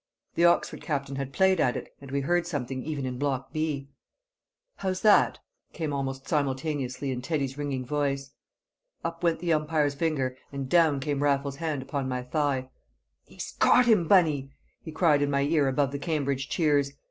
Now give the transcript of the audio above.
The Oxford captain had played at it, and we heard something even in Block B. "How's that?" came almost simultaneously in Teddy's ringing voice. Up went the umpire's finger, and down came Raffles's hand upon my thigh. "He's caught him, Bunny!" he cried in my ear above the Cambridge cheers.